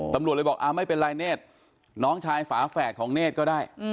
ตำรวจเลยบอกไม่เป็นไรเนธน้องชายฝาแฝดของเนธก็ได้